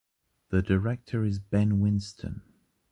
The director is Ben Winston.